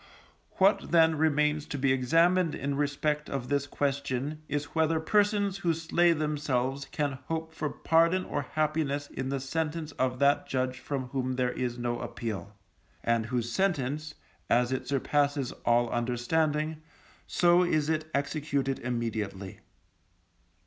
What, then, remains to be examined in respect of this question is whether persons who slay themselves can hope for pardon or happiness in the sentence of that Judge from whom there is no appeal, and whose sentence, as it surpasses all understanding, so is it executed immediately.